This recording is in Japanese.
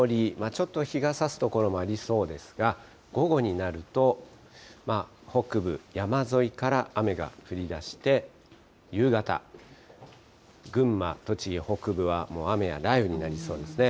ちょっと日がさす所もありそうですが、午後になると、北部山沿いから雨が降りだして、夕方、群馬、栃木北部はもう雨や雷雨になりそうですね。